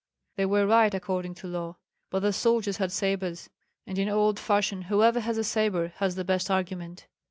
"They were right according to law; but the soldiers had sabres, and in old fashion whoever has a sabre has the best argument.